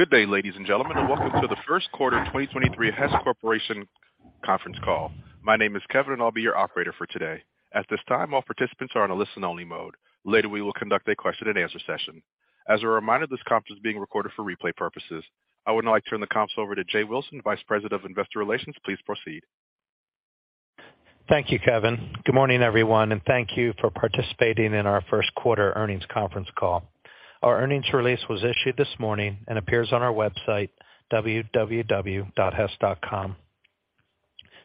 Good day, ladies and gentlemen, and welcome to the first quarter 2023 Hess Corporation conference call. My name is Kevin, and I'll be your operator for today. At this time, all participants are on a listen-only mode. Later, we will conduct a question-and-answer session. As a reminder, this conference is being recorded for replay purposes. I would now like to turn the conference over to Jay Wilson, Vice President of Investor Relations. Please proceed. Thank you, Kevin. Good morning, everyone, thank you for participating in our first quarter earnings conference call. Our earnings release was issued this morning and appears on our website, www.hess.com.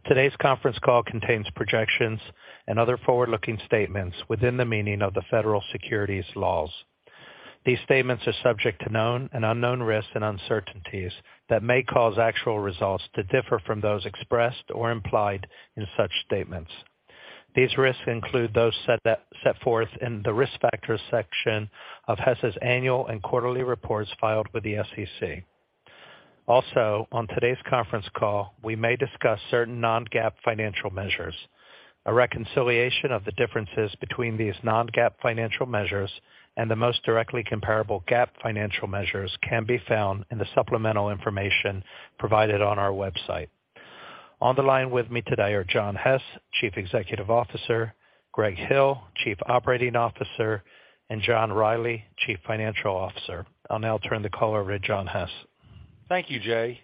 Today's conference call contains projections and other forward-looking statements within the meaning of the federal securities laws. These statements are subject to known and unknown risks and uncertainties that may cause actual results to differ from those expressed or implied in such statements. These risks include those set forth in the Risk Factors section of Hess's annual and quarterly reports filed with the SEC. On today's conference call, we may discuss certain non-GAAP financial measures. A reconciliation of the differences between these non-GAAP financial measures and the most directly comparable GAAP financial measures can be found in the supplemental information provided on our website. On the line with me today are John Hess, Chief Executive Officer, Greg Hill, Chief Operating Officer, and John Rielly, Chief Financial Officer. I'll now turn the call over to John Hess. Thank you, Jay.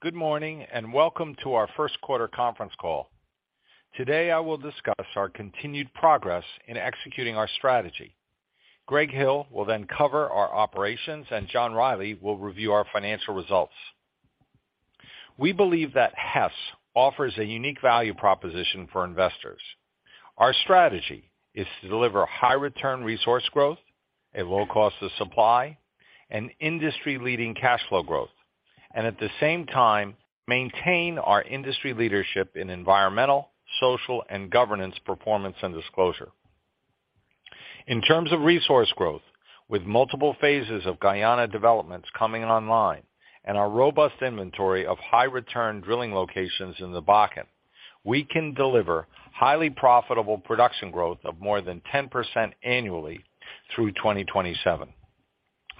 Good morning, welcome to our first quarter conference call. Today, I will discuss our continued progress in executing our strategy. Greg Hill will then cover our operations, and John Rielly will review our financial results. We believe that Hess offers a unique value proposition for investors. Our strategy is to deliver high-return resource growth at low-cost of supply and industry-leading cash flow growth. At the same time, maintain our industry leadership in environmental, social, and governance performance and disclosure. In terms of resource growth, with multiple phases of Guyana developments coming online and our robust inventory of high-return drilling locations in the Bakken, we can deliver highly profitable production growth of more than 10% annually through 2027.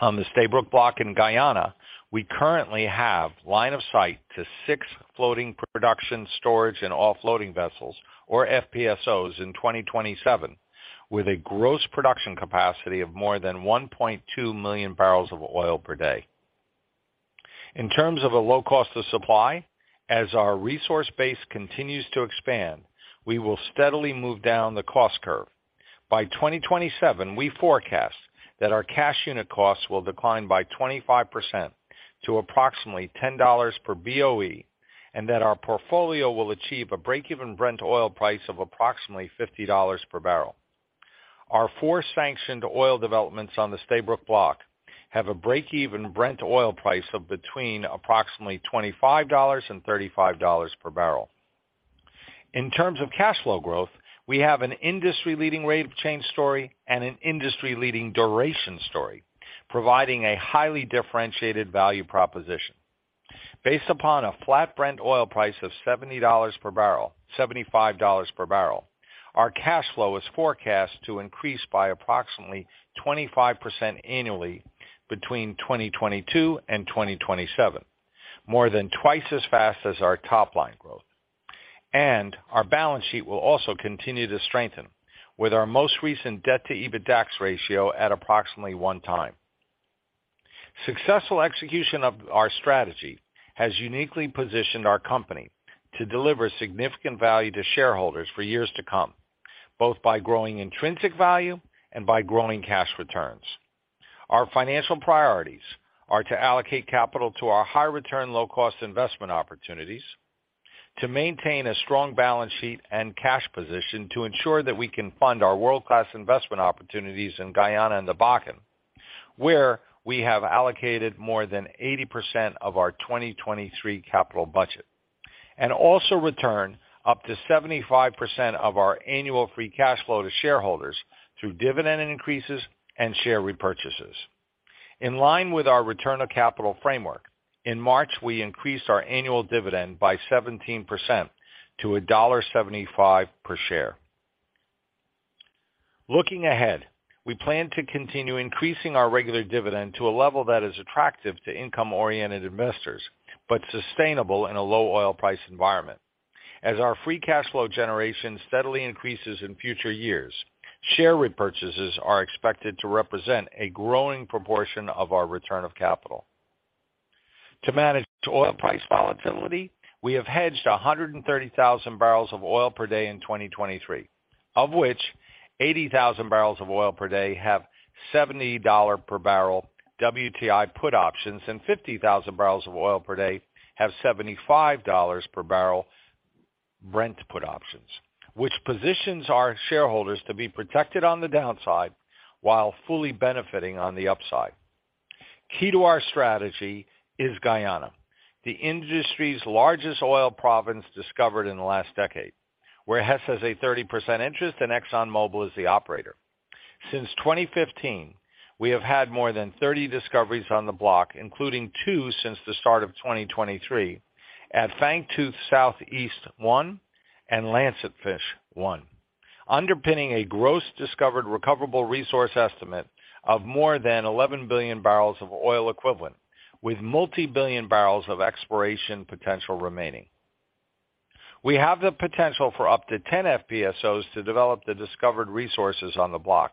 On the Stabroek Block in Guyana, we currently have line of sight to six floating production storage and offloading vessels or FPSOs in 2027, with a gross production capacity of more than 1.2 million barrels of oil per day. In terms of a low-cost of supply, as our resource base continues to expand, we will steadily move down the cost curve. By 2027, we forecast that our cash unit costs will decline by 25% to approximately $10 per BOE, and that our portfolio will achieve a break-even Brent oil price of approximately $50 per barrel. Our four sanctioned oil developments on the Stabroek Block have a break-even Brent oil price of between approximately $25 and $35 per barrel. In terms of cash flow growth, we have an industry-leading rate of change story and an industry-leading duration story, providing a highly differentiated value proposition. Based upon a flat Brent oil price of $75 per barrel, our cash flow is forecast to increase by approximately 25% annually between 2022 and 2027, more than twice as fast as our top line growth. Our balance sheet will also continue to strengthen with our most recent debt-to-EBITDAX ratio at approximately 1x. Successful execution of our strategy has uniquely positioned our company to deliver significant value to shareholders for years to come, both by growing intrinsic value and by growing cash returns. Our financial priorities are to allocate capital to our high-return, low cost investment opportunities, to maintain a strong balance sheet and cash position to ensure that we can fund our world-class investment opportunities in Guyana and the Bakken, where we have allocated more than 80% of our 2023 capital budget. Also return up to 75% of our annual free cash flow to shareholders through dividend increases and share repurchases. In line with our return of capital framework, in March, we increased our annual dividend by 17% to $1.75 per share. Looking ahead, we plan to continue increasing our regular dividend to a level that is attractive to income-oriented investors, but sustainable in a low oil price environment. As our free cash flow generation steadily increases in future years, share repurchases are expected to represent a growing proportion of our return of capital. To manage oil price volatility, we have hedged 130,000 barrels of oil per day in 2023, of which 80,000 barrels of oil per day have $70 per barrel WTI put options and 50,000 barrels of oil per day have $75 per barrel Brent put options, which positions our shareholders to be protected on the downside while fully benefiting on the upside. Key to our strategy is Guyana, the industry's largest oil province discovered in the last decade, where Hess has a 30% interest and ExxonMobil is the operator. Since 2015, we have had more than 30 discoveries on the block, including two since the start of 2023 at Fangtooth Southeast-1 and Lancetfish-1. Underpinning a gross discovered recoverable resource estimate of more than 11 billion barrels of oil equivalent, with multi-billion barrels of exploration potential remaining. We have the potential for up to 10 FPSOs to develop the discovered resources on the block.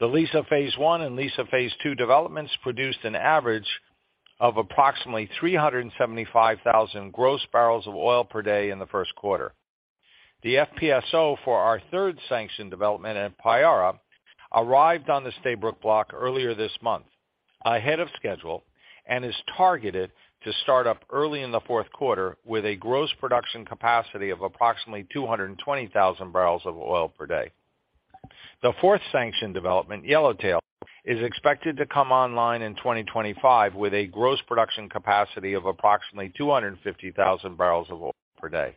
The Liza Phase One and Liza Phase Two developments produced an average of approximately 375,000 gross barrels of oil per day in the first quarter. The FPSO for our third sanctioned development at Payara arrived on the Stabroek Block earlier this month, ahead of schedule, and is targeted to start up early in the fourth quarter with a gross production capacity of approximately 220,000 barrels of oil per day. The fourth sanctioned development, Yellowtail, is expected to come online in 2025 with a gross production capacity of approximately 250,000 barrels of oil per day.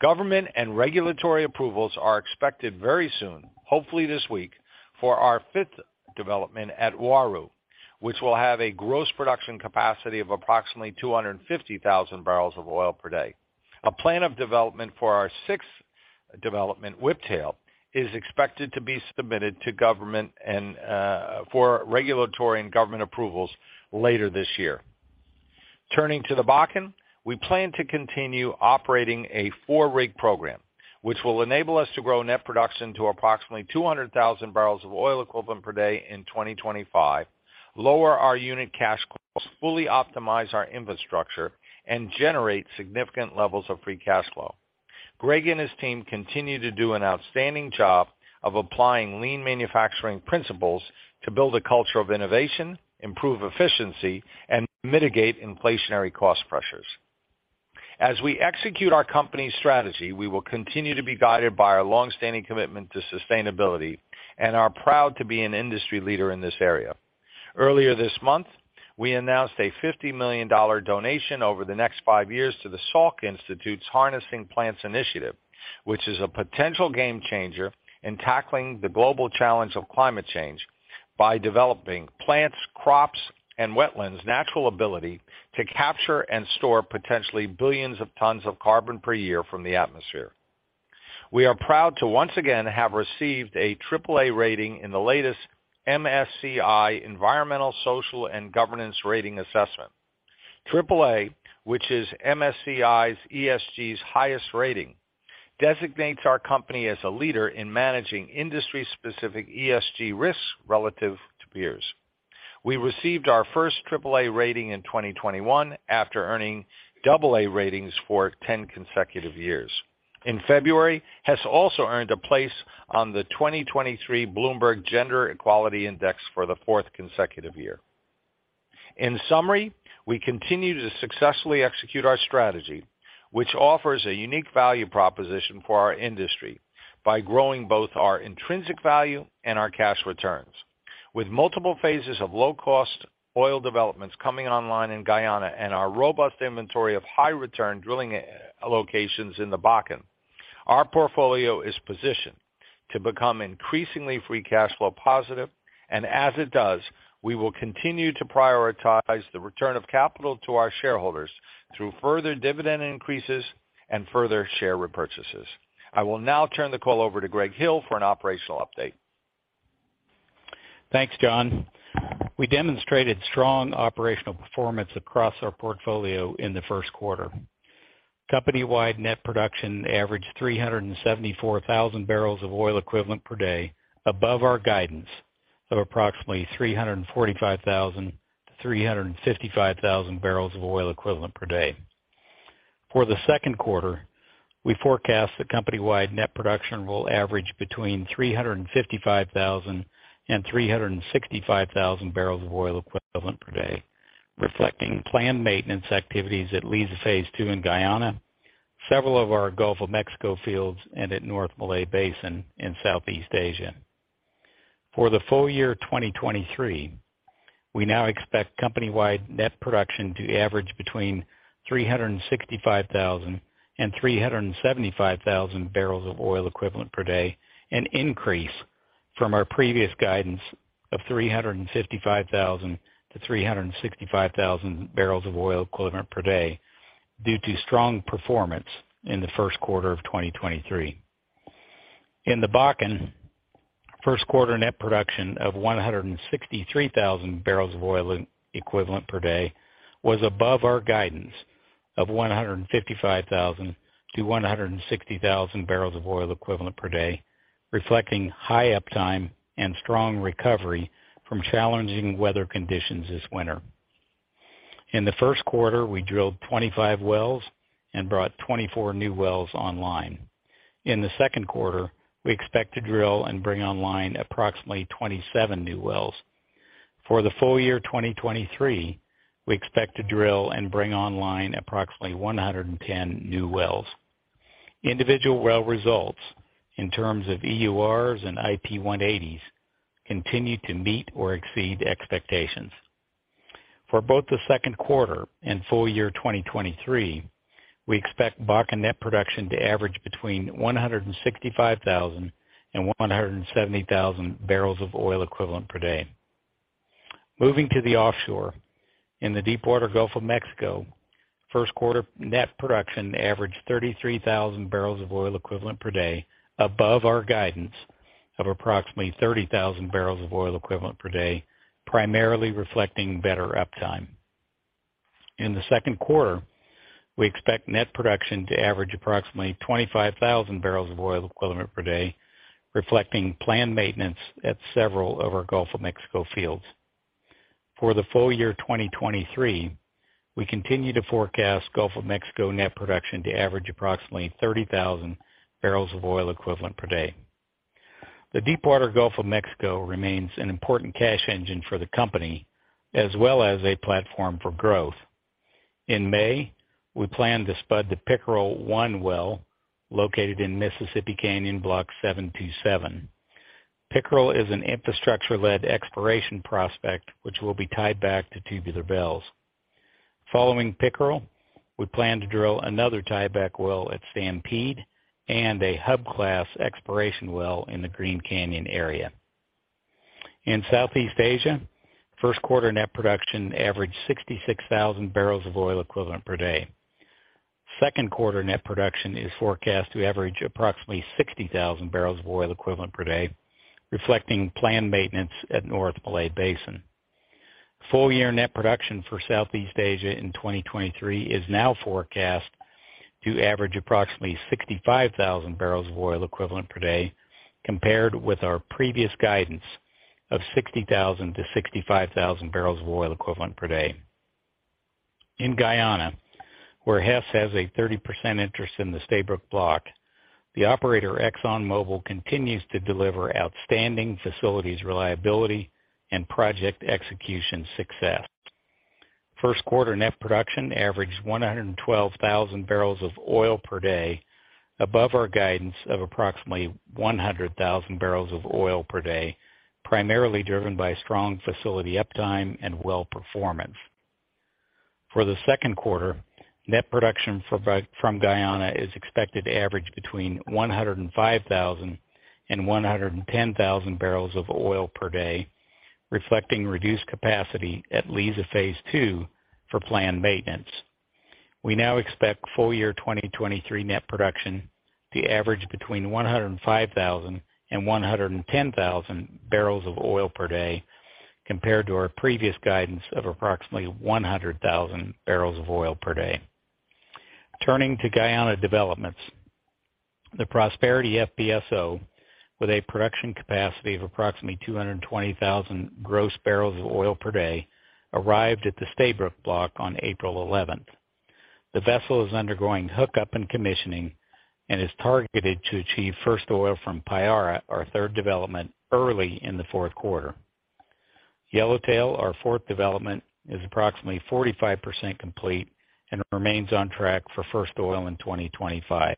Government and regulatory approvals are expected very soon, hopefully this week, for our fifth development at Uaru, which will have a gross production capacity of approximately 250,000 barrels of oil per day. A plan of development for our sixth development, Whiptail, is expected to be submitted to government and for regulatory and government approvals later this year. Turning to the Bakken, we plan to continue operating a four-rig program, which will enable us to grow net production to approximately 200,000 barrels of oil equivalent per day in 2025, lower our unit cash costs, fully optimize our infrastructure, and generate significant levels of free cash flow. Greg and his team continue to do an outstanding job of applying lean manufacturing principles to build a culture of innovation, improve efficiency, and mitigate inflationary cost pressures. As we execute our company's strategy, we will continue to be guided by our long-standing commitment to sustainability and are proud to be an industry leader in this area. Earlier this month, we announced a $50 million donation over the next five years to the Salk Institute's Harnessing Plants Initiative, which is a potential game changer in tackling the global challenge of climate change by developing plants, crops, and wetlands' natural ability to capture and store potentially billions of tons of carbon per year from the atmosphere. We are proud to once again have received a AAA rating in the latest MSCI Environmental, Social, and Governance rating assessment. AAA, which is MSCI's ESG's highest rating, designates our company as a leader in managing industry-specific ESG risks relative to peers. We received our first AAA rating in 2021 after earning AA ratings for 10 consecutive years. In February, Hess also earned a place on the 2023 Bloomberg Gender-Equality Index for the fourth consecutive year. In summary, we continue to successfully execute our strategy, which offers a unique value proposition for our industry by growing both our intrinsic value and our cash returns. With multiple phases of low-cost oil developments coming online in Guyana and our robust inventory of high-return drilling locations in the Bakken, our portfolio is positioned to become increasingly free cash flow positive, and as it does, we will continue to prioritize the return of capital to our shareholders through further dividend increases and further share repurchases. I will now turn the call over to Greg Hill for an operational update. Thanks, John. We demonstrated strong operational performance across our portfolio in the first quarter. Company-wide net production averaged 374,000 barrels of oil equivalent per day above our guidance of approximately 345,000 barrels of oil equivalent per day-355,000 barrels of oil equivalent per day. For the second quarter, we forecast the company-wide net production will average between 355,000 and 365,000 barrels of oil equivalent per day, reflecting planned maintenance activities at Liza Phase Two in Guyana, several of our Gulf of Mexico fields, and at North Malay Basin in Southeast Asia. For the full year 2023, we now expect company-wide net production to average between 365,000 and 375,000 barrels of oil equivalent per day, an increase from our previous guidance of 355,000 to 365,000 barrels of oil equivalent per day due to strong performance in the first quarter of 2023. In the Bakken, first-quarter net production of 163,000 barrels of oil equivalent per day was above our guidance of 155,000 to 160,000 barrels of oil equivalent per day, reflecting high uptime and strong recovery from challenging weather conditions this winter. In the first quarter, we drilled 25 wells and brought 24 new wells online. In the second quarter, we expect to drill and bring online approximately 27 new wells. For the full year 2023, we expect to drill and bring online approximately 110 new wells. Individual well results in terms of EURs and IP 180s continue to meet or exceed expectations. For both the 2nd quarter and full year 2023, we expect Bakken net production to average between 165,000 and 170,000 barrels of oil equivalent per day. Moving to the offshore. In the Deepwater Gulf of Mexico, first-quarter net production averaged 33,000 barrels of oil equivalent per day above our guidance of approximately 30,000 barrels of oil equivalent per day, primarily reflecting better uptime. In the 2nd quarter, we expect net production to average approximately 25,000 barrels of oil equivalent per day, reflecting planned maintenance at several of our Gulf of Mexico fields. For the full year 2023, we continue to forecast Gulf of Mexico net production to average approximately 30,000 barrels of oil equivalent per day. The Deepwater Gulf of Mexico remains an important cash engine for the company as well as a platform for growth. In May, we plan to spud the Pickerel-1 well located in Mississippi Canyon Block 77. Pickerel is an infrastructure-led exploration prospect which will be tied back to Tubular Bells. Following Pickerel, we plan to drill another tieback well at Stampede and a hub class exploration well in the Green Canyon area. In Southeast Asia, first-quarter net production averaged 66,000 barrels of oil equivalent per day. 2nd quarter net production is forecast to average approximately 60,000 barrels of oil equivalent per day, reflecting planned maintenance at North Malay Basin. Full year net production for Southeast Asia in 2023 is now forecast to average approximately 65,000 barrels of oil equivalent per day, compared with our previous guidance of 60,000-65,000 barrels of oil equivalent per day. In Guyana, where Hess has a 30% interest in the Stabroek Block, the operator, ExxonMobil, continues to deliver outstanding facilities reliability and project execution success. First-quarter net production averaged 112,000 barrels of oil per day above our guidance of approximately 100,000 barrels of oil per day, primarily driven by strong facility uptime and well performance. For the second quarter, net production from Guyana is expected to average between 105,000 and 110,000 barrels of oil per day, reflecting reduced capacity at Liza Phase Two for planned maintenance. We now expect full year 2023 net production to average between 105,000 and 110,000 barrels of oil per day, compared to our previous guidance of approximately 100,000 barrels of oil per day. Turning to Guyana developments. The Prosperity FPSO with a production capacity of approximately 220,000 gross barrels of oil per day arrived at the Stabroek Block on April 11th. The vessel is undergoing hookup and commissioning and is targeted to achieve first oil from Payara, our third development, early in the fourth quarter. Yellowtail, our fourth development, is approximately 45% complete and remains on track for first oil in 2025.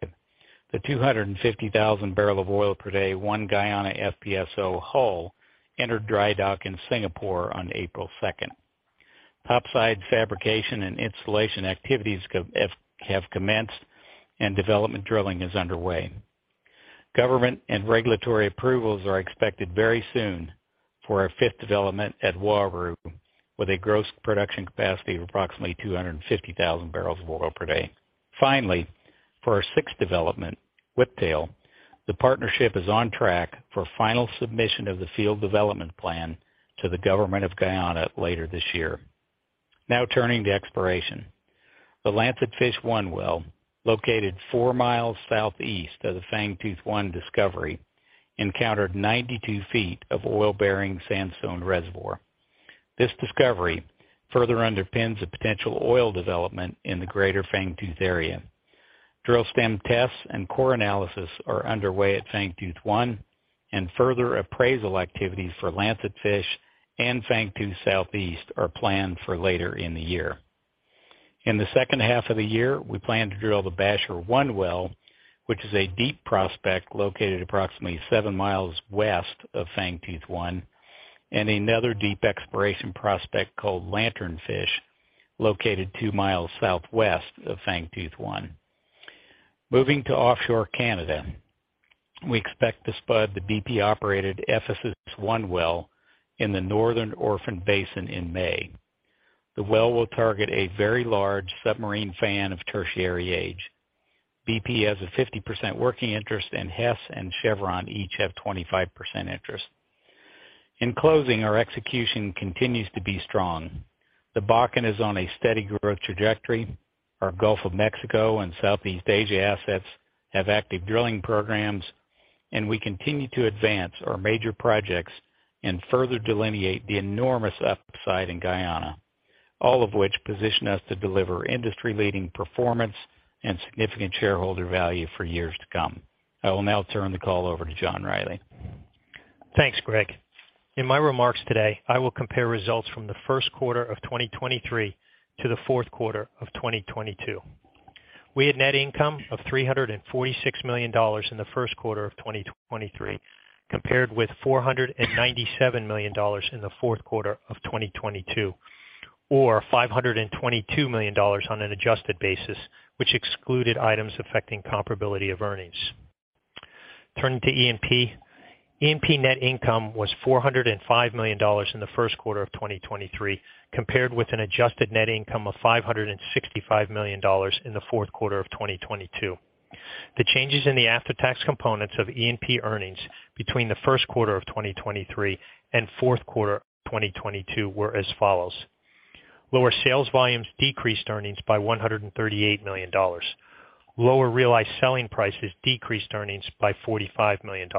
The 250,000 barrels of oil per day ONE GUYANA FPSO hull entered dry dock in Singapore on April 2nd. Topside fabrication and installation activities have commenced and development drilling is underway. Government and regulatory approvals are expected very soon for our fifth development at Uaru, with a gross production capacity of approximately 250,000 barrels of oil per day. Finally, for our sixth development, Whiptail, the partnership is on track for final submission of the field development plan to the Government of Guyana later this year. Turning to exploration. The Lancetfish-1 well, located 4 miles southeast of the Fangtooth-1 discovery, encountered 92 feet of oil-bearing sandstone reservoir. This discovery further underpins the potential oil development in the greater Fangtooth area. Drill stem tests and core analysis are underway at Fangtooth-1, and further appraisal activities for Lancetfish and Fangtooth Southeast are planned for later in the year. In the second half of the year, we plan to drill the Basher-1 well, which is a deep prospect located approximately 7 miles west of Fangtooth-1, and another deep exploration prospect called Lancetfish, located 2 miles southwest of Fangtooth-1. Moving to offshore Canada. We expect to spud the BP-operated Ephesus-1 well in the Northern Orphan Basin in May. The well will target a very large submarine fan of tertiary age. BP has a 50% working interest, and Hess and Chevron each have 25% interest. In closing, our execution continues to be strong. The Bakken is on a steady growth trajectory. Our Gulf of Mexico and Southeast Asia assets have active drilling programs, and we continue to advance our major projects and further delineate the enormous upside in Guyana, all of which position us to deliver industry-leading performance and significant shareholder value for years to come. I will now turn the call over to John Rielly. Thanks, Greg. In my remarks today, I will compare results from the first quarter of 2023 to the fourth quarter of 2022. We had net income of $346 million in the first quarter of 2023, compared with $497 million in the fourth quarter of 2022, or $522 million on an adjusted basis, which excluded items affecting comparability of earnings. Turning to E&P. E&P net income was $405 million in the first quarter of 2023, compared with an adjusted net income of $565 million in the fourth quarter of 2022. The changes in the after-tax components of E&P earnings between the first quarter of 2023 and fourth quarter of 2022 were as follows. Lower sales volumes decreased earnings by $138 million. Lower realized selling prices decreased earnings by $45 million.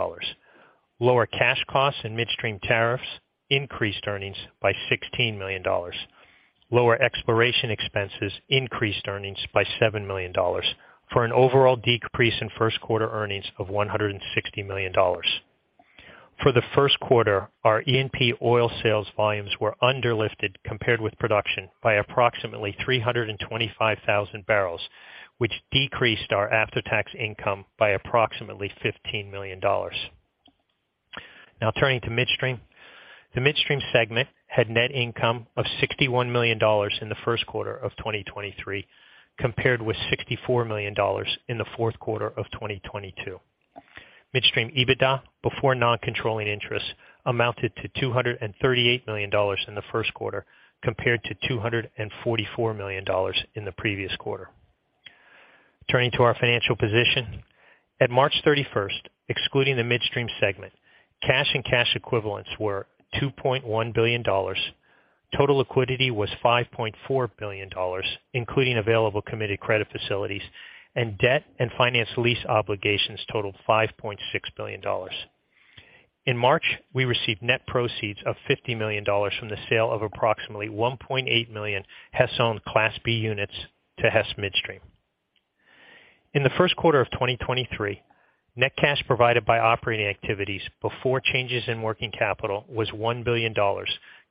Lower cash costs and midstream tariffs increased earnings by $16 million. Lower exploration expenses increased earnings by $7 million. For an overall decrease in first quarter earnings of $160 million. For the first quarter, our E&P oil sales volumes were under lifted compared with production by approximately 325,000 barrels, which decreased our after-tax income by approximately $15 million. Now turning to Midstream. The Midstream segment had net income of $61 million in the first quarter of 2023, compared with $64 million in the fourth quarter of 2022. Midstream EBITDA before non-controlling interests amounted to $238 million in the first quarter, compared to $244 million in the previous quarter. Turning to our financial position. At March 31st, excluding the Midstream segment, cash and cash equivalents were $2.1 billion. Total liquidity was $5.4 billion, including available committed credit facilities, and debt and finance lease obligations totaled $5.6 billion. In March, we received net proceeds of $50 million from the sale of approximately 1.8 million Hess-owned Class B units to Hess Midstream. In the first quarter of 2023, net cash provided by operating activities before changes in working capital was $1 billion,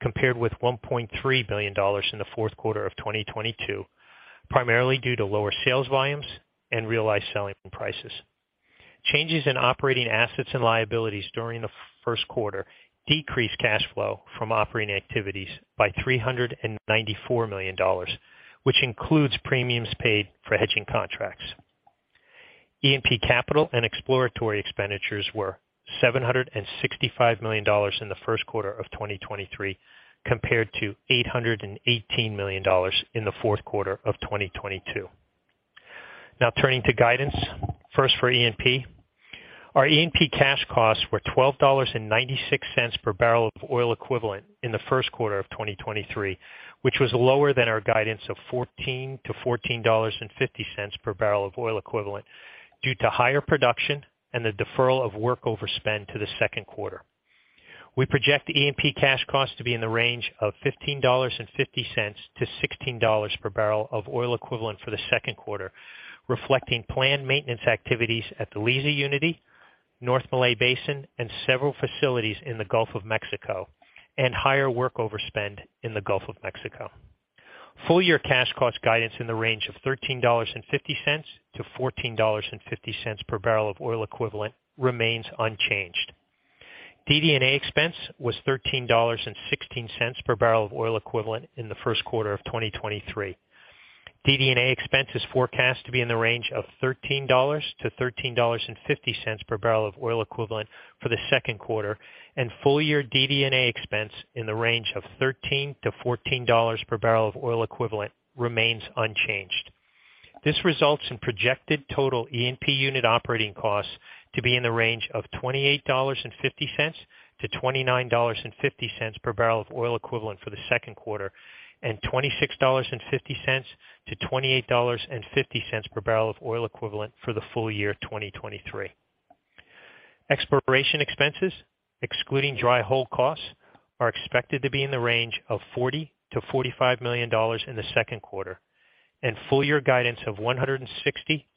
compared with $1.3 billion in the fourth quarter of 2022, primarily due to lower sales volumes and realized selling prices. Changes in operating assets and liabilities during the first quarter decreased cash flow from operating activities by $394 million, which includes premiums paid for hedging contracts. E&P capital and exploratory expenditures were $765 million in the first quarter of 2023, compared to $818 million in the fourth quarter of 2022. Turning to guidance. First for E&P. Our E&P cash costs were $12.96 per barrel of oil equivalent in the first quarter of 2023, which was lower than our guidance of $14-$14.50 per barrel of oil equivalent due to higher production and the deferral of work overspend to the second quarter. We project E&P cash costs to be in the range of $15.50-$16 per barrel of oil equivalent for the second quarter, reflecting planned maintenance activities at the Liza Unity, North Malay Basin, and several facilities in the Gulf of Mexico, and higher work overspend in the Gulf of Mexico. Full year cash cost guidance in the range of $13.50-$14.50 per barrel of oil equivalent remains unchanged. DD&A expense was $13.16 per barrel of oil equivalent in the first quarter of 2023. DD&A expense is forecast to be in the range of $13-$13.50 per barrel of oil equivalent for the second quarter, and full year DD&A expense in the range of $13-$14 per barrel of oil equivalent remains unchanged. This results in projected total E&P unit operating costs to be in the range of $28.50-$29.50 per barrel of oil equivalent for the second quarter, and $26.50-$28.50 per barrel of oil equivalent for the full year 2023. Exploration expenses, excluding dry hole costs, are expected to be in the range of $40 million-$45 million in the second quarter, and full year guidance of $160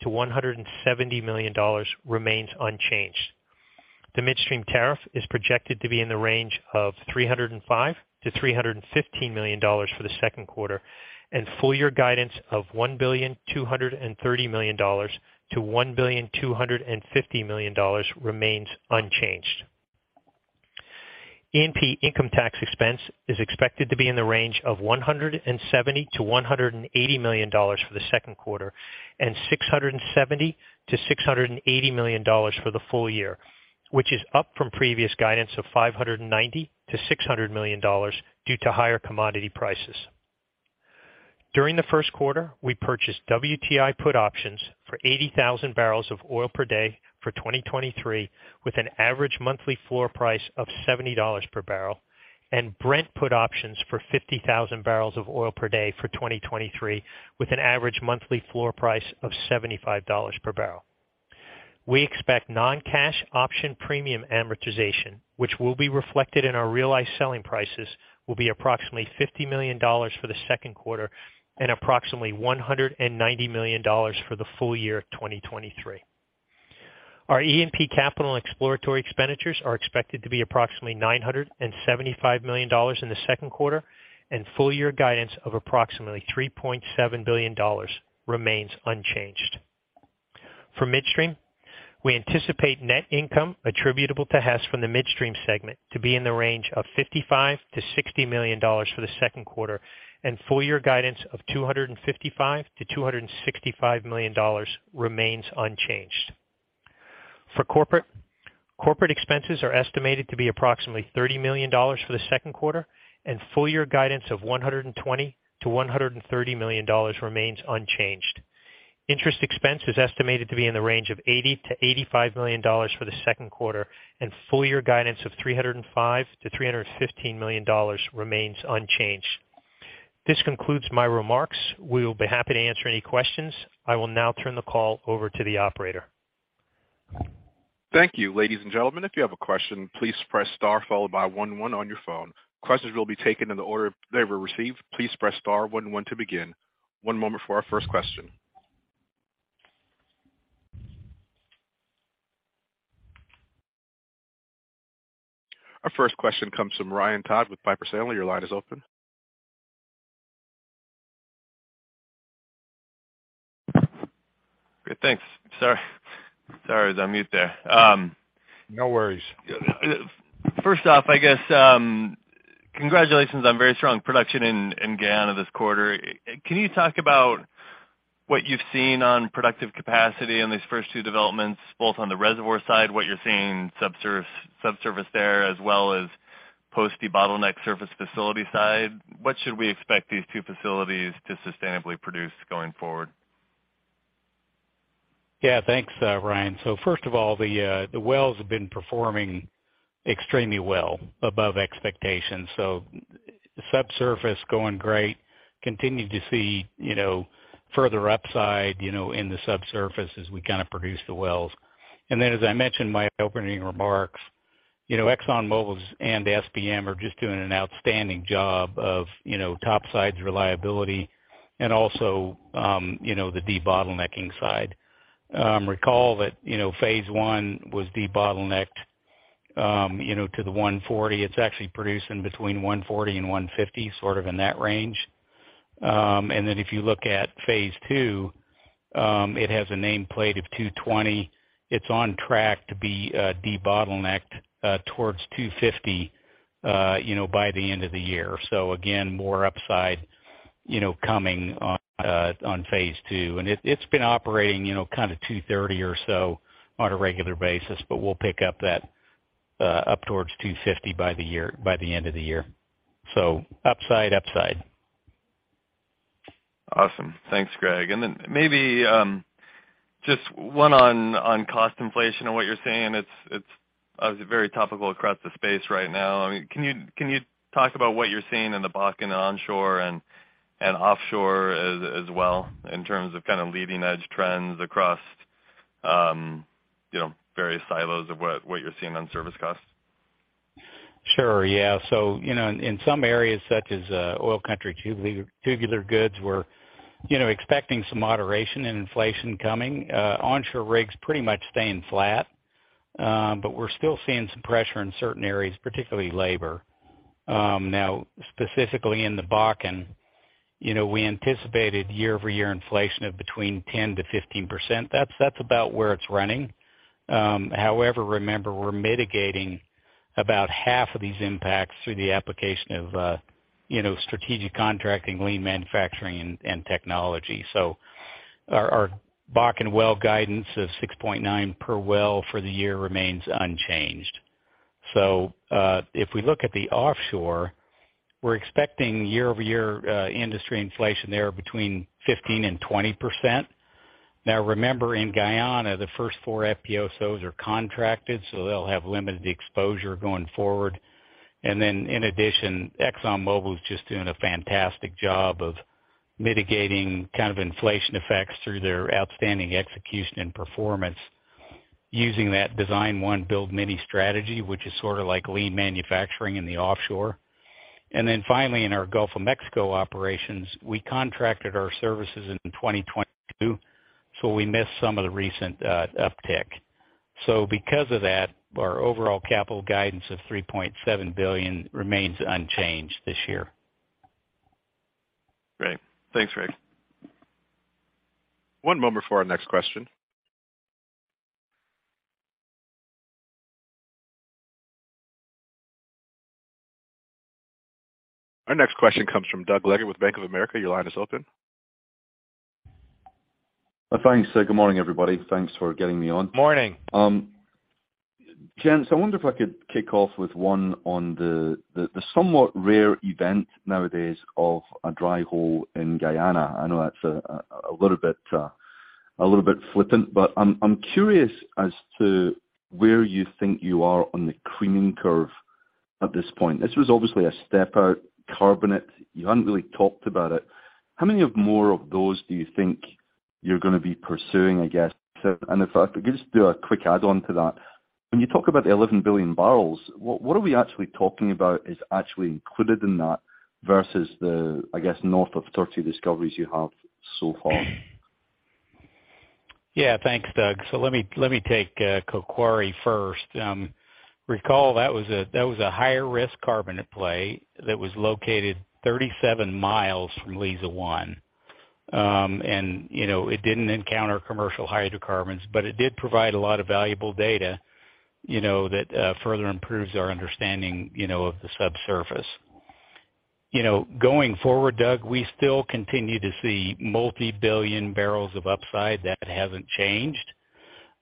million-$170 million remains unchanged. The Midstream tariff is projected to be in the range of $305 million-$315 million for the second quarter, and full year guidance of $1.23 billion-$1.25 billion remains unchanged. E&P income tax expense is expected to be in the range of $170 million-$180 million for the second quarter and $670 million-$680 million for the full year, which is up from previous guidance of $590 million-$600 million due to higher commodity prices. During the first quarter, we purchased WTI put options for 80,000 barrels of oil per day for 2023, with an average monthly floor price of $70 per barrel, and Brent put options for 50,000 barrels of oil per day for 2023, with an average monthly floor price of $75 per barrel. We expect non-cash option premium amortization, which will be reflected in our realized selling prices, will be approximately $50 million for the second quarter and approximately $190 million for the full year 2023. Our E&P capital exploratory expenditures are expected to be approximately $975 million in the second quarter and full year guidance of approximately $3.7 billion remains unchanged. For Midstream, we anticipate net income attributable to Hess from the Midstream segment to be in the range of $55 million-$60 million for the second quarter and full year guidance of $255 million-$265 million remains unchanged. For corporate expenses are estimated to be approximately $30 million for the second quarter. Full year guidance of $120 million-$130 million remains unchanged. Interest expense is estimated to be in the range of $80 million-$85 million for the second quarter. Full year guidance of $305 million-$315 million remains unchanged. This concludes my remarks. We will be happy to answer any questions. I will now turn the call over to the operator. Thank you. Ladies and gentlemen, if you have a question, please press star followed by one one on your phone. Questions will be taken in the order they were received. Please press star one one to begin. One moment for our first question. Our first question comes from Ryan Todd with Piper Sandler. Your line is open. Great. Thanks. Sorry, I was on mute there. No worries. First off, I guess, congratulations on very strong production in Guyana this quarter. Can you talk about what you've seen on productive capacity on these first two developments, both on the reservoir side, what you're seeing subsurface there, as well as post debottleneck surface facility side? What should we expect these two facilities to sustainably produce going forward? Yeah. Thanks, Ryan. First of all, the wells have been performing extremely well, above expectations. Subsurface going great. Continue to see, you know, further upside, you know, in the subsurface as we kind of produce the wells. As I mentioned in my opening remarks, you know, ExxonMobil and SBM are just doing an outstanding job of, you know, topsides reliability and also, you know, the debottlenecking side. Recall that, you know, phase one was debottlenecked, you know, to the 140. It's actually producing between 140 and 150, sort of in that range. If you look at phase two, it has a nameplate of 220. It's on track to be debottlenecked towards 250, you know, by the end of the year. Again, more upside, you know, coming on phase two. It's been operating, you know, kinda 230 or so on a regular basis, but we'll pick up that up towards 250 by the end of the year. Upside, upside. Awesome. Thanks, Greg. Just one on cost inflation and what you're saying. It's obviously very topical across the space right now. I mean, can you talk about what you're seeing in the Bakken onshore and offshore as well in terms of kind of leading-edge trends across, you know, various silos of what you're seeing on service costs? Sure, yeah. You know, in some areas such as oil country tubular goods, we're, you know, expecting some moderation and inflation coming. Onshore rigs pretty much staying flat, but we're still seeing some pressure in certain areas, particularly labor. Now, specifically in the Bakken, you know, we anticipated year-over-year inflation of between 10%-15%. That's about where it's running. However, remember, we're mitigating about half of these impacts through the application of, you know, strategic contracting, lean manufacturing and technology. Our Bakken well guidance of $6.9 per well for the year remains unchanged. If we look at the offshore, we're expecting year-over-year industry inflation there between 15%-20%. Now, remember, in Guyana, the first four FPSOs are contracted, so they'll have limited exposure going forward. In addition, ExxonMobil is just doing a fantastic job of mitigating kind of inflation effects through their outstanding execution and performance using that design one, build many strategy, which is sort of like lean manufacturing in the offshore. Finally, in our Gulf of Mexico operations, we contracted our services in 2022, so we missed some of the recent uptick. Because of that, our overall capital guidance of $3.7 billion remains unchanged this year. Great. Thanks, Greg. One moment for our next question. Our next question comes from Doug Leggate with Bank of America. Your line is open. Thanks. Good morning, everybody. Thanks for getting me on. Morning. Gents, I wonder if I could kick off with one on the, the somewhat rare event nowadays of a dry hole in Guyana. I know that's a little bit, a little bit flippant, but I'm curious as to where you think you are on the creaming curve at this point. This was obviously a step-out carbonate. You haven't really talked about it. How many of more of those do you think you're gonna be pursuing, I guess? If I could just do a quick add-on to that. When you talk about the 11 billion barrels, what are we actually talking about is actually included in that versus the, I guess, north of 30 discoveries you have so far? Thanks, Doug. Let me take Kokwari first. Recall, that was a higher risk carbonate play that was located 37 miles from Liza-1. You know, it didn't encounter commercial hydrocarbons, but it did provide a lot of valuable data, you know, that further improves our understanding, you know, of the subsurface. You know, going forward, Doug, we still continue to see multi-billion barrels of upside. That hasn't changed.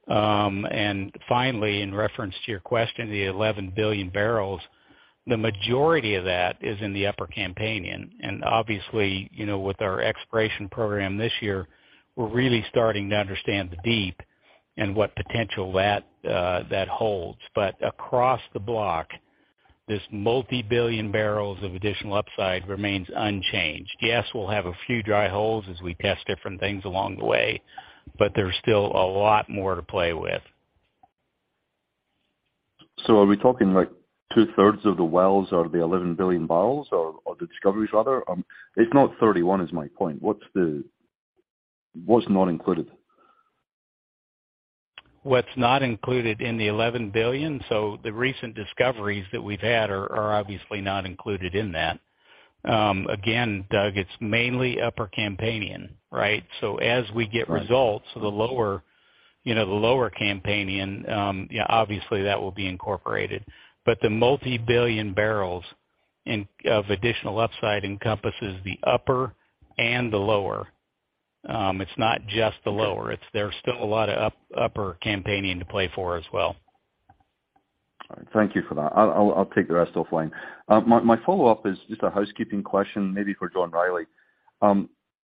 Finally, in reference to your question, the 11 billion barrels, the majority of that is in the Upper Campanian. Obviously, you know, with our exploration program this year, we're really starting to understand the deep and what potential that holds. Across the block, this multi-billion barrels of additional upside remains unchanged. Yes, we'll have a few dry holes as we test different things along the way, but there's still a lot more to play with. Are we talking, like, two-thirds of the wells are the 11 billion barrels or the discoveries rather? It's not 31 is my point. What's not included? What's not included in the $11 billion? The recent discoveries that we've had are obviously not included in that. Again, Doug, it's mainly Upper Campanian, right? As we get results. Right. The lower, you know, the Lower Campanian, you know, obviously that will be incorporated. The multi-billion barrels of additional upside encompasses the upper and the lower. It's not just the lower, there's still a lot of Upper Campanian to play for as well. All right. Thank you for that. I'll take the rest offline. My follow-up is just a housekeeping question, maybe for John Rielly.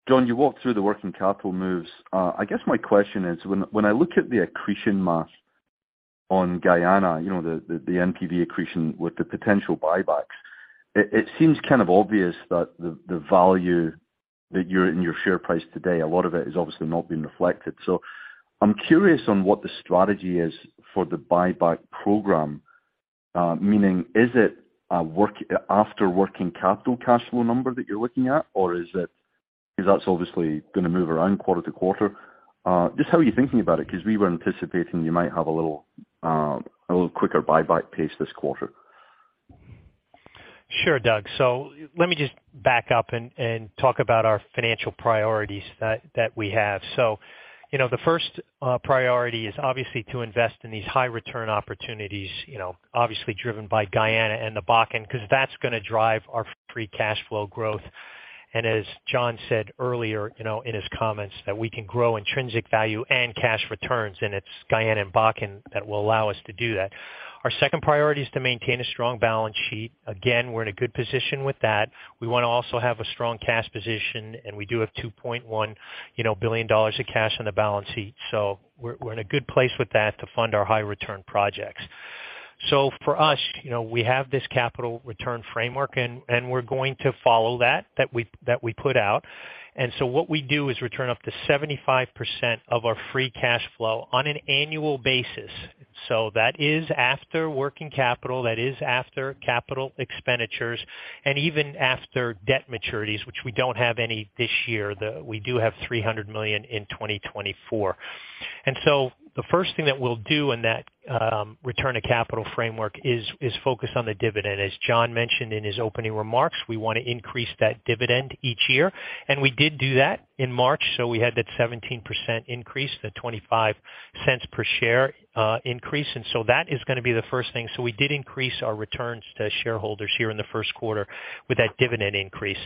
John, you walked through the working capital moves. I guess my question is, when I look at the accretion math on Guyana, you know, the NPV accretion with the potential buybacks, it seems kind of obvious that the value that you're in your share price today, a lot of it is obviously not being reflected. I'm curious on what the strategy is for the buyback program, meaning is it after working capital cash flow number that you're looking at, or is it, because that's obviously gonna move around quarter to quarter. Just how are you thinking about it? We were anticipating you might have a little quicker buyback pace this quarter. Sure, Doug. Let me just back up and talk about our financial priorities that we have. The first, you know, priority is obviously to invest in these high-return opportunities, you know, obviously driven by Guyana and the Bakken, because that's gonna drive our free cash flow growth. As John said earlier, you know, in his comments, that we can grow intrinsic value and cash returns, and it's Guyana and Bakken that will allow us to do that. Our second priority is to maintain a strong balance sheet. Again, we're in a good position with that. We wanna also have a strong cash position, and we do have $2.1 billion of cash on the balance sheet. We're in a good place with that to fund our high-return projects. For us, you know, we have this capital return framework, and we're going to follow that we put out. What we do is return up to 75% of our free cash flow on an annual basis. That is after working capital, that is after capital expenditures, and even after debt maturities, which we don't have any this year, we do have $300 million in 2024. The first thing that we'll do in that return to capital framework is focus on the dividend. As John mentioned in his opening remarks, we wanna increase that dividend each year, and we did do that in March. We had that 17% increase, the $0.25 per share increase. That is gonna be the first thing. We did increase our returns to shareholders here in the first quarter with that dividend increase.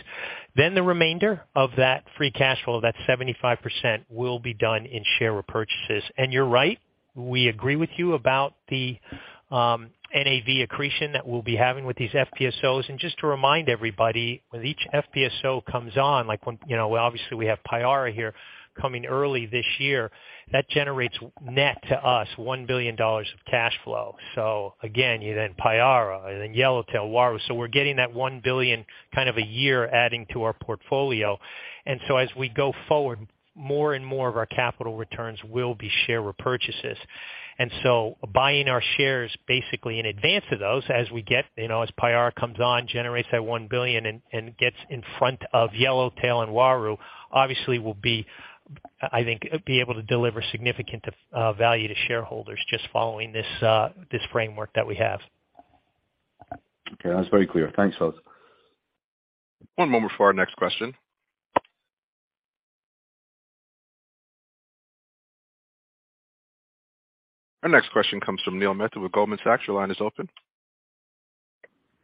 The remainder of that free cash flow, that 75%, will be done in share repurchases. You're right, we agree with you about the NAV accretion that we'll be having with these FPSOs. Just to remind everybody, when each FPSO comes on, like when, you know, obviously we have Payara here coming early this year, that generates net to us $1 billion of cash flow. Again, you then Payara, and then Yellowtail, Uaru. We're getting that $1 billion kind of a year adding to our portfolio. As we go forward, more and more of our capital returns will be share repurchases. Buying our shares basically in advance of those as we get, you know, as Payara comes on, generates that $1 billion and gets in front of Yellowtail and Uaru, obviously we'll be, I think, be able to deliver significant value to shareholders just following this framework that we have. Okay. That's very clear. Thanks, folks. One moment for our next question. Our next question comes from Neil Mehta with Goldman Sachs. Your line is open.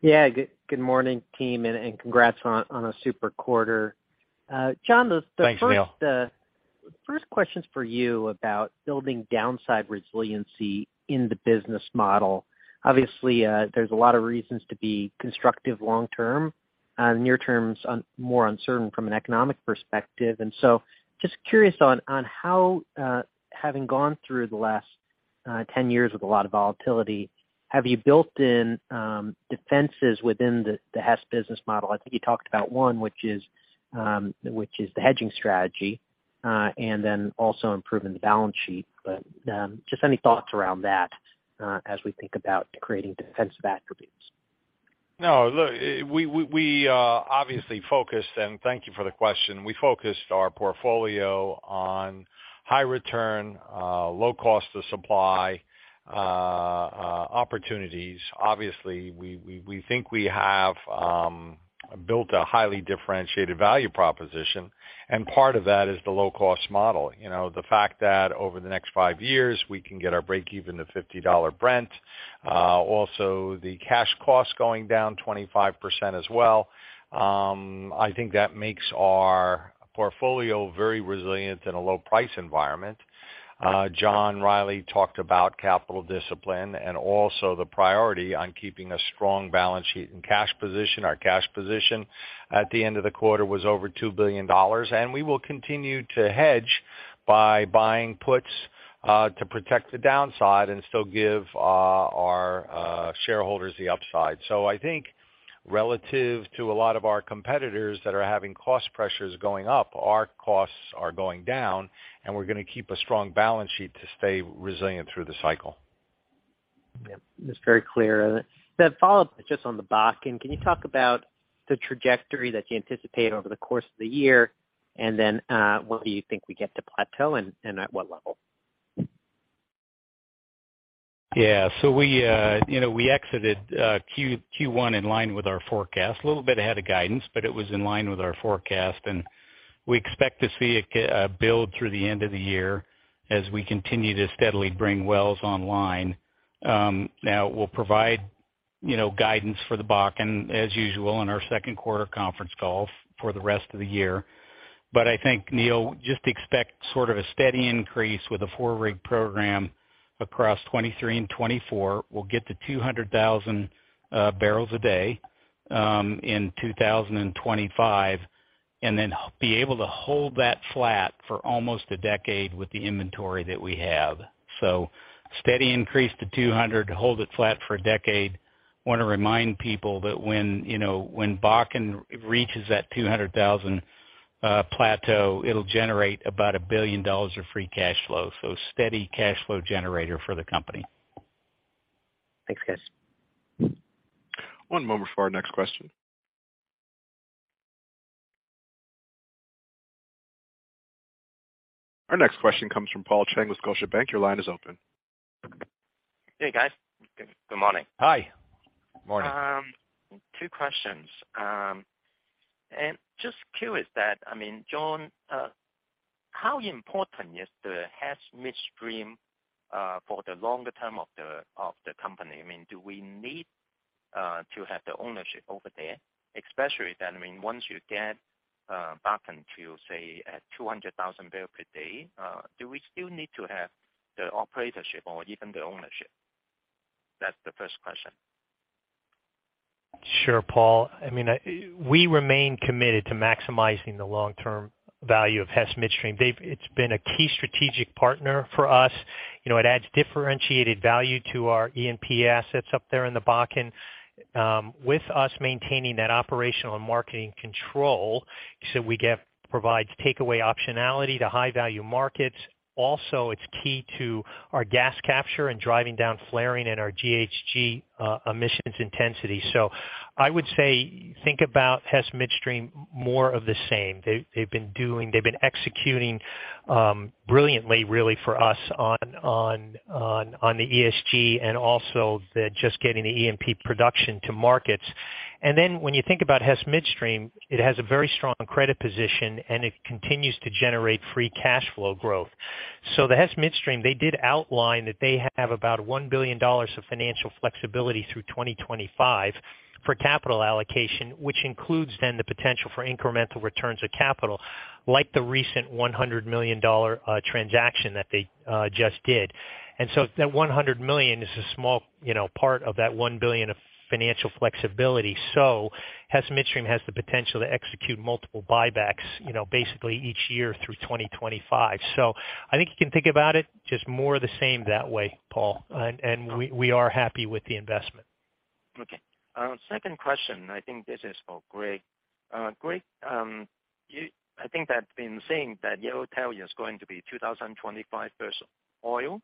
Yeah. Good morning, team, and congrats on a super quarter. John, the first. Thanks, Neil. The first question's for you about building downside resiliency in the business model. Obviously, there's a lot of reasons to be constructive long term. Near term's more uncertain from an economic perspective. Just curious on how, having gone through the last 10 years with a lot of volatility, have you built in defenses within the Hess business model? I think you talked about one, which is the hedging strategy, and then also improving the balance sheet. Just any thoughts around that, as we think about creating defensive attributes. No, look, we obviously focused, and thank you for the question. We focused our portfolio on High-return, low-cost of supply, opportunities. Obviously, we think we have built a highly differentiated value proposition, part of that is the low-cost model. You know, the fact that over the next five years, we can get our breakeven to $50 Brent. Also the cash costs going down 25% as well. I think that makes our portfolio very resilient in a low price environment. John Rielly talked about capital discipline, also the priority on keeping a strong balance sheet and cash position. Our cash position at the end of the quarter was over $2 billion, we will continue to hedge by buying puts to protect the downside and still give our shareholders the upside. I think relative to a lot of our competitors that are having cost pressures going up, our costs are going down, and we're gonna keep a strong balance sheet to stay resilient through the cycle. Yeah, that's very clear. Follow up just on the Bakken. Can you talk about the trajectory that you anticipate over the course of the year? When do you think we get to plateau and at what level? We, you know, we exited Q1 in line with our forecast. A little bit ahead of guidance, but it was in line with our forecast, and we expect to see it build through the end of the year as we continue to steadily bring wells online. Now we'll provide, you know, guidance for the Bakken as usual in our second quarter conference calls for the rest of the year. I think, Neil, just expect sort of a steady increase with a 4-rig program across 2023 and 2024. We'll get to 200,000 barrels a day in 2025, and then be able to hold that flat for almost a decade with the inventory that we have. Steady increase to 200, hold it flat for a decade. Want to remind people that when, you know, when Bakken reaches that 200,000 plateau, it'll generate about $1 billion of free cash flow. Steady cash flow generator for the company. Thanks, guys. One moment for our next question. Our next question comes from Paul Cheng with Scotiabank. Your line is open. Hey, guys. Good morning. Hi. Morning. Two questions. Just curious that, I mean, John, how important is the Hess Midstream for the longer term of the company? I mean, do we need to have the ownership over there? Especially then, I mean, once you get Bakken to, say, at 200,000 barrel per day, do we still need to have the operatorship or even the ownership? That's the first question. Sure, Paul. I mean, we remain committed to maximizing the long-term value of Hess Midstream. It's been a key strategic partner for us. You know, it adds differentiated value to our E&P assets up there in the Bakken. With us maintaining that operational and marketing control, so it provides takeaway optionality to high-value markets. Also, it's key to our gas capture and driving down flaring and our GHG emissions intensity. I would say, think about Hess Midstream more of the same. They've been executing brilliantly really for us on the ESG and also the just getting the E&P production to markets. When you think about Hess Midstream, it has a very strong credit position, and it continues to generate free cash flow growth. The Hess Midstream, they did outline that they have about $1 billion of financial flexibility through 2025 for capital allocation, which includes then the potential for incremental returns of capital, like the recent $100 million transaction that they just did. That $100 million is a small, you know, part of that $1 billion of financial flexibility. Hess Midstream has the potential to execute multiple buybacks, you know, basically each year through 2025. I think you can think about it just more the same that way, Paul. And we are happy with the investment. Okay. Second question, I think this is for Greg. Greg, I think that in saying that Yellowtail is going to be 2025 first oil,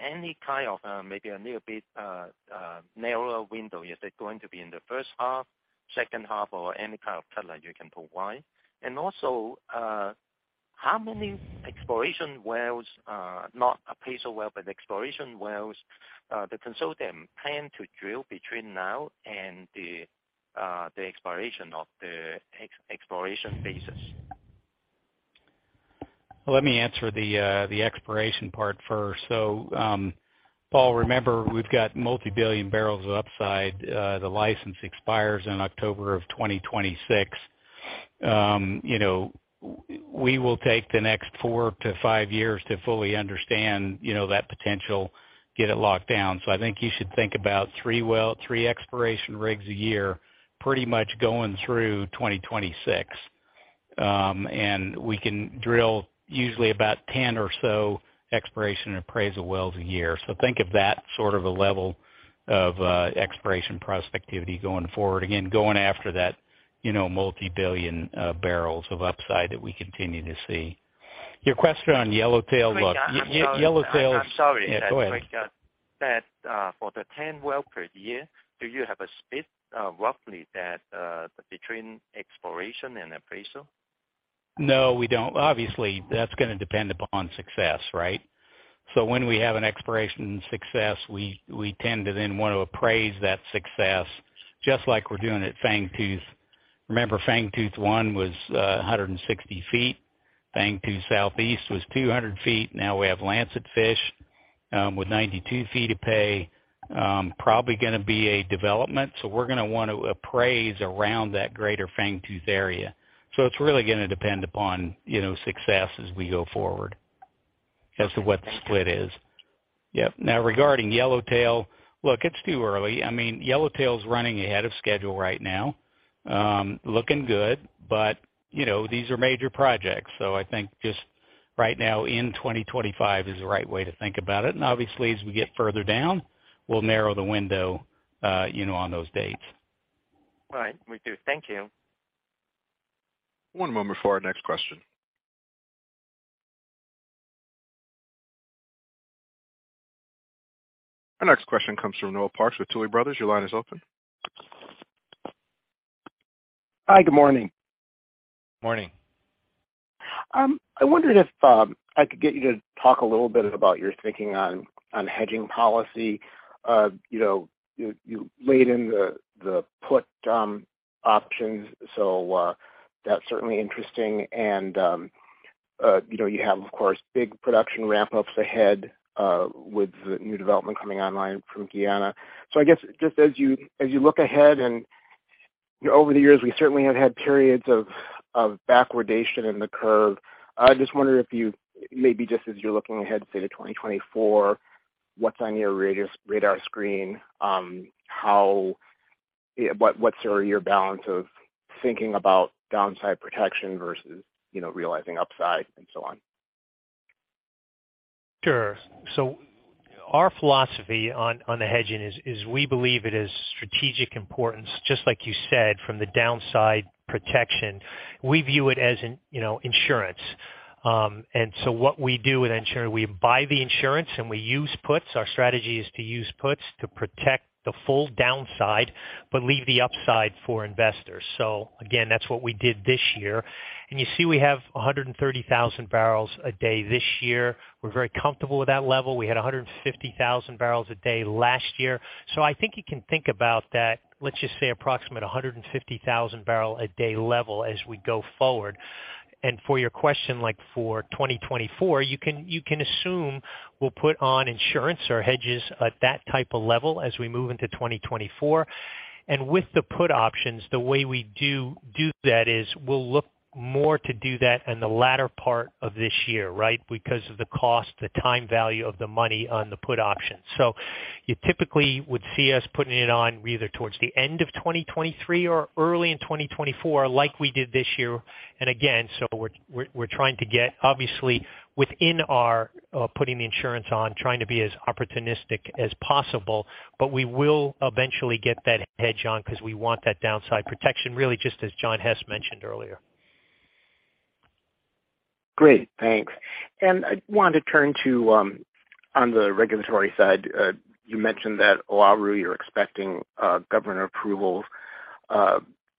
any kind of, maybe a little bit narrower window, is it going to be in the first half, second half or any kind of color you can provide? Also, how many exploration wells, not appraisal well, but exploration wells, the consortium plan to drill between now and the expiration of the ex-exploration basis? Let me answer the exploration part first. Paul, remember, we've got multi-billion barrels of upside. The license expires in October 2026. you know, we will take the next four to five years to fully understand, you know, that potential, get it locked down. I think you should think about three exploration rigs a year pretty much going through 2026. We can drill usually about 10 or so exploration appraisal wells a year. Think of that sort of a level of exploration prospectivity going forward. Again, going after that, you know, multi-billion barrels of upside that we continue to see. Your question on Yellowtail. Look, Yellowtail. I'm sorry. Yeah, go ahead. That, for the 10 well per year, do you have a split, roughly that, between exploration and appraisal? No, we don't. Obviously, that's gonna depend upon success, right? When we have an exploration success, we tend to then wanna appraise that success just like we're doing at Fangtooth. Remember, Fangtooth-1 was 160 feet. Fangtooth Southeast was 200 feet. Now we have Lancetfish with 92 feet of pay, probably gonna be a development. We're gonna wanna appraise around that greater Fangtooth area. It's really gonna depend upon, you know, success as we go forward as to what the split is. Okay. Thank you. Yep. Regarding Yellowtail, look, it's too early. I mean, Yellowtail's running ahead of schedule right now. Looking good, you know, these are major projects. I think just right now in 2025 is the right way to think about it. Obviously, as we get further down, we'll narrow the window, you know, on those dates. All right. Will do. Thank you. One moment for our next question. Our next question comes from Noel Parks with Tuohy Brothers. Your line is open. Hi, good morning. Morning. I wondered if I could get you to talk a little bit about your thinking on hedging policy. You know, you laid in the put options, that's certainly interesting. You know, you have, of course, big production ramp ups ahead with the new development coming online from Guyana. I guess, just as you look ahead, and over the years, we certainly have had periods of backwardation in the curve. I just wondered if you maybe just as you're looking ahead, say, to 2024, what's on your radar screen, what's sort of your balance of thinking about downside protection versus, you know, realizing upside and so on? Sure. Our philosophy on the hedging is we believe it is strategic importance, just like you said, from the downside protection. We view it as, you know, insurance. What we do with insurance, we buy the insurance, and we use puts. Our strategy is to use puts to protect the full downside but leave the upside for investors. Again, that's what we did this year. You see, we have 130,000 barrels a day this year. We're very comfortable with that level. We had 150,000 barrels a day last year. I think you can think about that, let's just say approximate 150,000 barrel a day level as we go forward. For your question, like for 2024, you can assume we'll put on insurance or hedges at that type of level as we move into 2024. With the put options, the way we do that is we'll look more to do that in the latter part of this year, right? Because of the cost, the time value of the money on the put option. You typically would see us putting it on either towards the end of 2023 or early in 2024 like we did this year. Again, so we're trying to get obviously within our putting the insurance on, trying to be as opportunistic as possible, but we will eventually get that hedge on because we want that downside protection, really, just as John Hess mentioned earlier. Great. Thanks. I want to turn to on the regulatory side. You mentioned that Uaru, you're expecting government approvals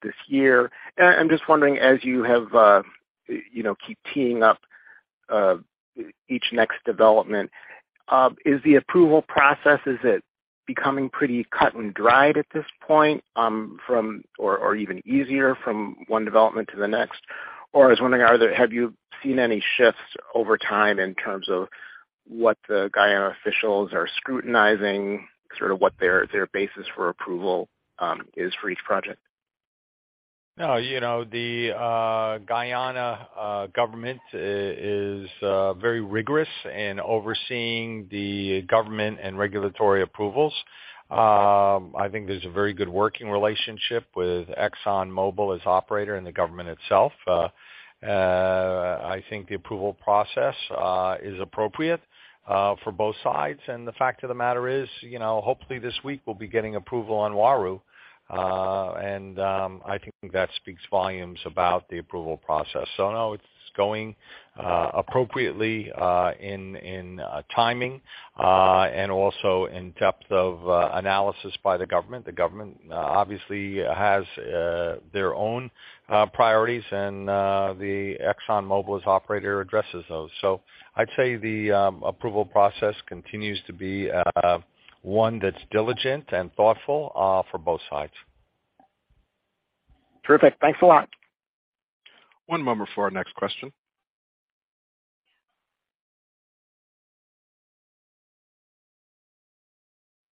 this year. I'm just wondering, as you have, you know, keep teeing up each next development, is the approval process, is it becoming pretty cut and dried at this point from or even easier from one development to the next? I was wondering, have you seen any shifts over time in terms of what the Guyana officials are scrutinizing, sort of what their basis for approval is for each project? No. You know, the Guyana government is very rigorous in overseeing the government and regulatory approvals. I think there's a very good working relationship with ExxonMobil as operator and the government itself. I think the approval process is appropriate for both sides. The fact of the matter is, you know, hopefully this week we'll be getting approval on Uaru. I think that speaks volumes about the approval process. No, it's going appropriately in timing and also in depth of analysis by the government. The government obviously has their own priorities and the ExxonMobil as operator addresses those. I'd say the approval process continues to be one that's diligent and thoughtful for both sides. Perfect. Thanks a lot. One moment for our next question.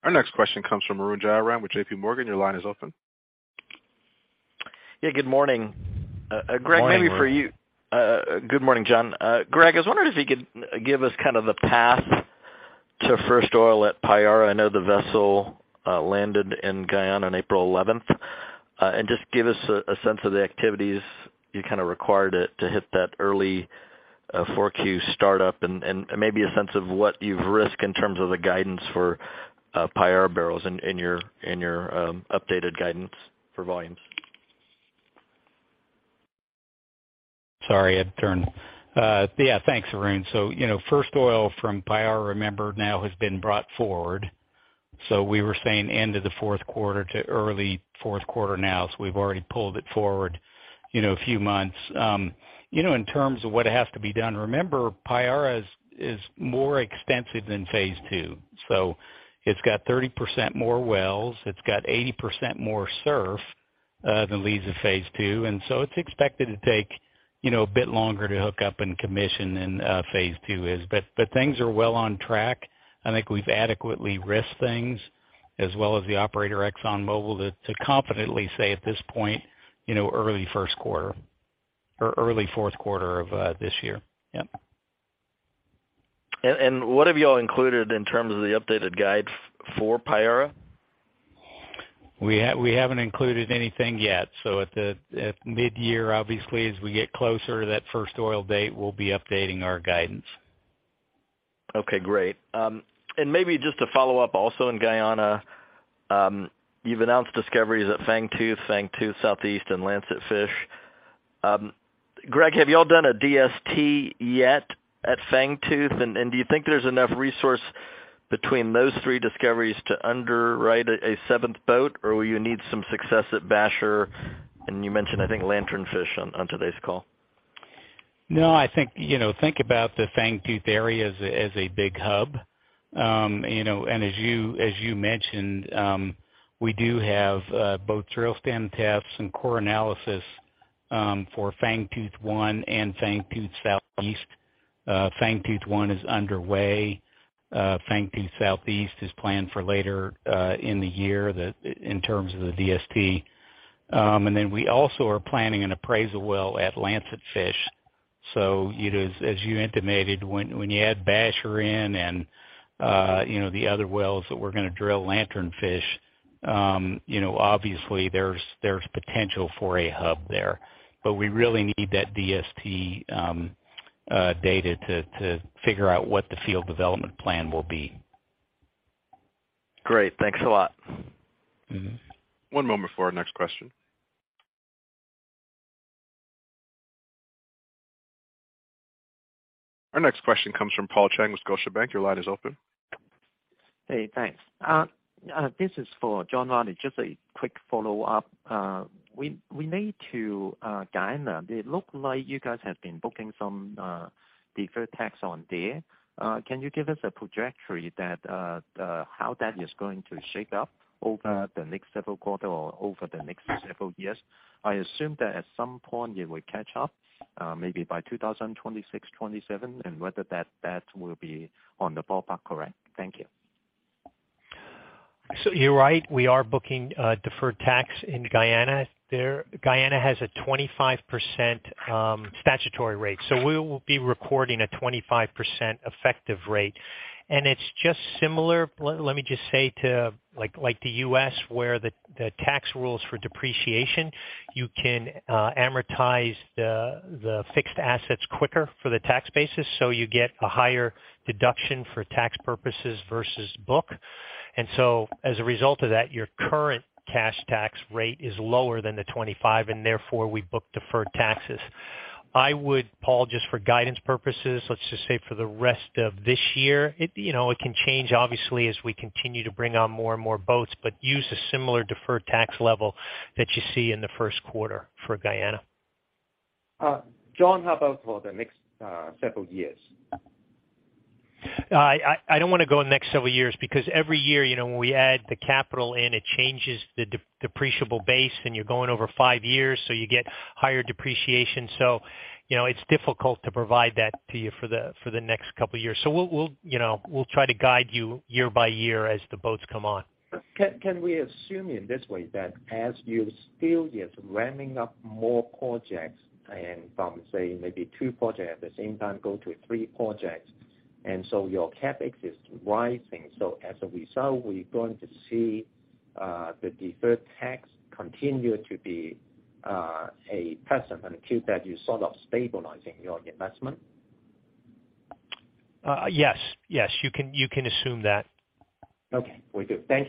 Our next question comes from Arun Jayaram with JPMorgan. Your line is open. Yeah, good morning. Good morning, Arun. Greg, maybe for you. Good morning, John. Greg, I was wondering if you could give us kind of the path to first oil at Payara. I know the vessel landed in Guyana on April 11th. Just give us a sense of the activities you kinda required to hit that early 4Q startup and maybe a sense of what you've risked in terms of the guidance for Payara barrels in your updated guidance for volumes? Sorry, I've turned. Yeah, thanks, Arun. You know, first oil from Payara, remember, now has been brought forward. We were saying end of the fourth quarter to early fourth quarter now. We've already pulled it forward, you know, a few months. You know, in terms of what has to be done, remember, Payara is more extensive than phase 2. It's got 30% more wells. It's got 80% more SURF than leads in phase 2. It's expected to take, you know, a bit longer to hook up and commission than phase 2 is. Things are well on track. I think we've adequately risked things as well as the operator, ExxonMobil, to confidently say at this point, you know, early first quarter or early fourth quarter of this year. Yep. What have you all included in terms of the updated guide for Payara? We haven't included anything yet. At midyear, obviously, as we get closer to that first oil date, we'll be updating our guidance. Okay, great. Maybe just to follow up also in Guyana, you've announced discoveries at Fangtooth Southeast and Lancetfish. Greg, have you all done a DST yet at Fangtooth? Do you think there's enough resource between those three discoveries to underwrite a seventh boat? Or will you need some success at Basher? You mentioned, I think, Lancetfish on today's call. No, I think, you know, think about the Fangtooth area as a, as a big hub. You know, as you, as you mentioned, we do have both drill stem tests and core analysis for Fangtooth-1 and Fangtooth Southeast. Fangtooth-1 is underway. Fangtooth Southeast is planned for later in the year in terms of the DST. We also are planning an appraisal well at Lancetfish. You know, as you intimated, when you add Basher in and, you know, the other wells that we're gonna drill, Lancetfish, you know, obviously there's potential for a hub there. We really need that DST data to figure out what the field development plan will be. Great. Thanks a lot. Mm-hmm. One moment for our next question. Our next question comes from Paul Cheng with Scotiabank. Your line is open. Hey, thanks. This is for John Rielly. Just a quick follow-up. We need to Guyana. It looked like you guys have been booking some deferred tax on there. Can you give us a trajectory that how that is going to shake up over the next several quarter or over the next several years? I assume that at some point you will catch up, maybe by 2026, 2027, and whether that will be on the ballpark, correct? Thank you. You're right, we are booking deferred tax in Guyana. Guyana has a 25% statutory rate, we will be recording a 25% effective rate. It's just similar, let me just say to like the US where the tax rules for depreciation, you can amortize the fixed assets quicker for the tax basis. You get a higher deduction for tax purposes versus book. As a result of that, your current cash tax rate is lower than the 25, therefore we book deferred taxes. I would, Paul, just for guidance purposes, let's just say for the rest of this year, it, you know, it can change obviously as we continue to bring on more and more boats, but use a similar deferred tax level that you see in the first quarter for Guyana. John, how about for the next several years? I don't wanna go next several years because every year, you know, when we add the capital in, it changes the depreciable base, and you're going over five years, so you get higher depreciation. You know, it's difficult to provide that to you for the next couple of years. We'll, you know, we'll try to guide you year by year as the boats come on. Can we assume in this way that as you still yet ramming up more projects and from, say, maybe two projects at the same time go to three projects, and so your CapEx is rising? As a result, we're going to see the deferred tax continue to be a precedent until that you sort of stabilizing your investment? Yes. Yes, you can assume that. Okay, we're good. Thank you.